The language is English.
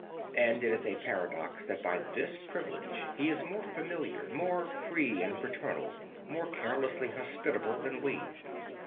And it is the paradox that by this privilege he is more familiar, more free and fraternal, more carelessly hospitable than we.